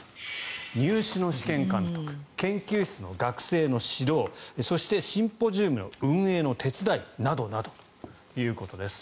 入試の試験監督研究室の学生の指導そしてシンポジウムの運営の手伝いなどということです